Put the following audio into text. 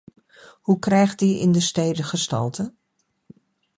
Hoe krijgt die in de steden gestalte?